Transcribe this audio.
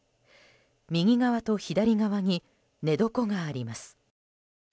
右側と左側に寝床があります。